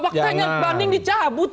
faktanya banding dicabut